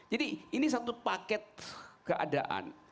jadi ini satu paket keadaan